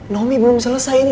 naomi belum selesai ini